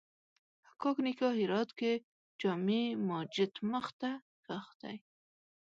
کاک نیکه هرات کښې جامع ماجت مخ ته ښخ دی